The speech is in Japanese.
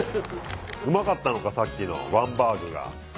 うまかったのかさっきのＷＡＮバーグが。